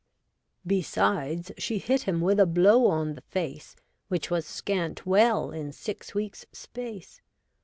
Besides, she hit him a blow on th' face Which was scant well in six weeks' space.